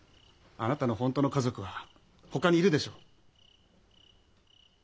あなたの本当の家族はほかにいるでしょ。